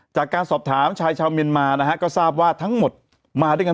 จากการสอบถามชายชาวเมียนมานะฮะก็ทราบว่าทั้งหมดมาด้วยกัน